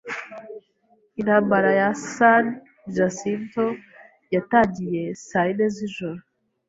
Intambara ya San Jacinto yatangiye saa yine zijoro.